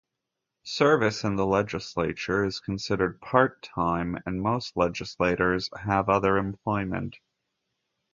Service in the Legislature is considered part-time, and most legislators have other employment.